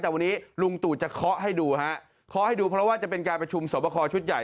แต่วันนี้ลุงตู่จะเคาะให้ดูฮะเคาะให้ดูเพราะว่าจะเป็นการประชุมสอบคอชุดใหญ่